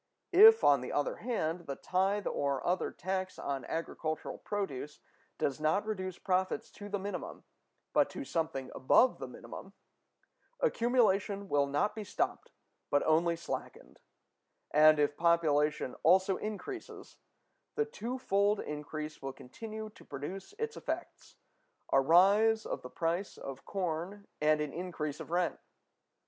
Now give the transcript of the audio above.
If, on the other hand, the tithe or other tax on agricultural produce does not reduce profits to the minimum, but to something above the minimum, accumulation will not be stopped, but only slackened; and, if population also increases, the twofold increase will continue to produce its effects—a rise of the price of corn and an increase of rent.